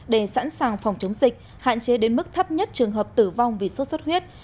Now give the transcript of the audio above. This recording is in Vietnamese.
để sẵn sàng phòng chống dịch hạn chế đến mức thấp nhất trường hợp tử vong vì sốt xuất huyết